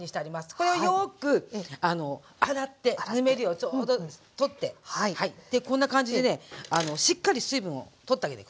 これをよく洗ってぬめりをちょうど取ってでこんな感じでねしっかり水分を取ってあげて下さい。